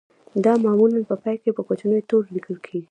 دا معمولاً په پای کې په کوچنیو تورو لیکل کیږي